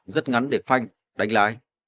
rất ngắn để phanh đánh lái